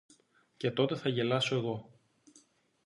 Και τότε θα γελάσω εγώ.